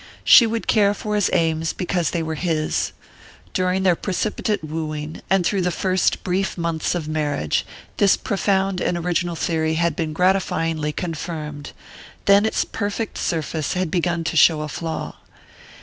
She would care for his aims because they were his. During their precipitate wooing, and through the first brief months of marriage, this profound and original theory had been gratifyingly confirmed; then its perfect surface had begun to show a flaw.